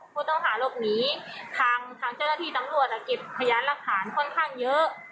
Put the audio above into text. ผู้ต้องหาหลบหนีทางทางเจ้าหน้าที่ตำรวจเก็บพยานหลักฐานค่อนข้างเยอะ